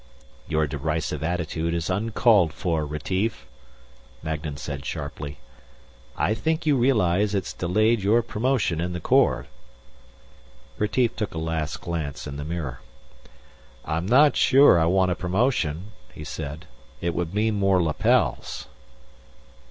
"Your derisive attitude is uncalled for, Retief," Magnan said sharply. "I think you realize it's delayed your promotion in the Corps." Retief took a last glance in the mirror. "I'm not sure I want a promotion," he said. "It would mean more lapels."